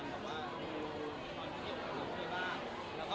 นะจ้างเจ้า